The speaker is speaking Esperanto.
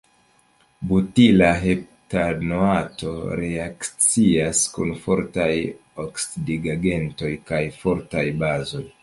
Butila heptanoato reakcias kun fortaj oksidigagentoj kaj fortaj bazoj.